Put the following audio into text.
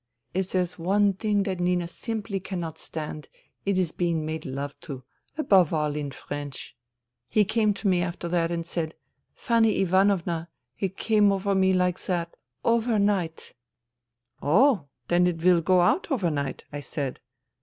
" If there's one thing that Nina simply cannot stand, it is being made love to ... above all in French ! He came to me after that and said :"' Fanny Ivanovna, it came over me like that .., overnight !../ 78 FUTILITY "' Oh, then it will go out overnight/ I said.